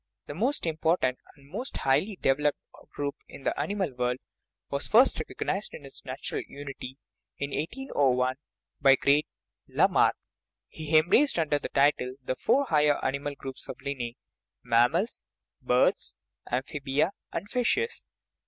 This most important and most high ly developed group in the animal world was first recog nized in its natural unity in 1801 by the great La marck; he embraced under that title the four higher animal groups of Linne" mammals, birds, amphibia, and fishes.